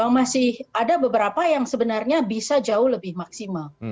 masih ada beberapa yang sebenarnya bisa jauh lebih maksimal